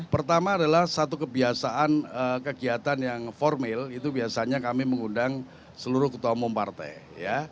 pertama adalah satu kebiasaan kegiatan yang formil itu biasanya kami mengundang seluruh ketua umum partai ya